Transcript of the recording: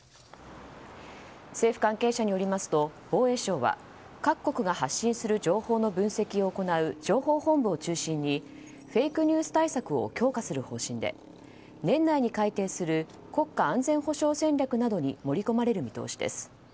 政府関係者によりますと防衛省は各国が発信する情報の分析を行う情報本部を中心にフェイクニュース対策を強化する方針で、年内に改定する国家安全保障戦略などに盛り込まれる見通しです。